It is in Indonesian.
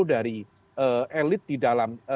dari elit di dalam